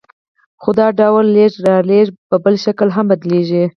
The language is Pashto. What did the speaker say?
خو دا ډول لېږد رالېږد په بل شکل هم بدلېږي